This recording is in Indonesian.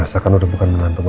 elsa kan udah bukan menantu mama